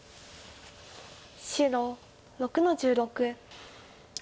白６の十六。